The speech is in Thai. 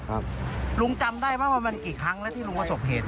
ลุงจำได้ไหมว่ามันกี่ครั้งแล้วที่ลุงประสบเหตุ